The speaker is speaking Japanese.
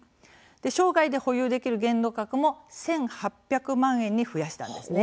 生涯で保有できる限度額も１８００万円に増やしたんですね。